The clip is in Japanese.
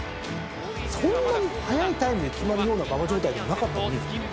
そんなに早いタイムで決まるような馬場状態でもなかったのに圧勝したんですよ。